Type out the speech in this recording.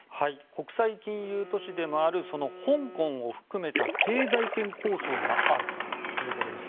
国際金融都市でもある香港を含めた経済圏構想があるということです。